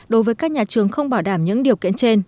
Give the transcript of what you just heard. đối với các nhà trường không bảo đảm những điều kiện trên